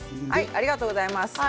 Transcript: ありがとうございます。